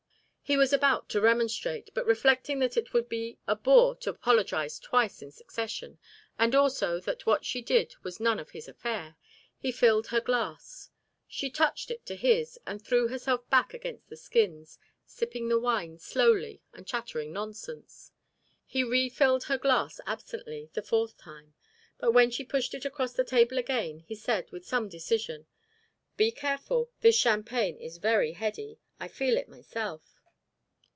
He was about to remonstrate; but reflecting that it would be a bore to apologise twice in succession, and also that what she did was none of his affair, he filled her glass. She touched it to his, and threw herself back against the skins, sipping the wine slowly and chattering nonsense. He refilled her glass absently the fourth time; but when she pushed it across the table again, he said, with some decision: "Be careful. This champagne is very heady. I feel it myself."